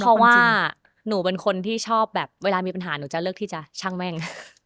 เพราะว่าหนูเป็นคนที่ชอบแบบเวลามีปัญหาหนูจะเลือกที่จะช่างแม่ง